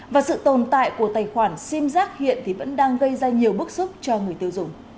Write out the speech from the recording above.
và sự tồn tại của tài khoản sim giác hiện vẫn đang gây ra nhiều bức xúc cho người tiêu dùng